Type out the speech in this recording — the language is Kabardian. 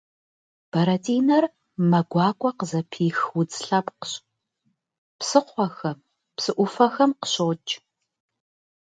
Бэрэтӏинэр мэ гуакӏуэ къызыпих удз лъэпкъщ, псыхъуэхэм, псы ӏуфэхэм къыщокӏ.